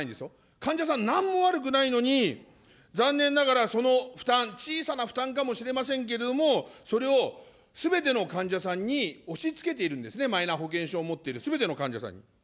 患者さん、なんも悪くないのに、残念ながら、その負担、小さな負担かもしれませんけれども、それをすべての患者さんに押しつけているんですね、マイナ保険証を持っているすべての患者さんに。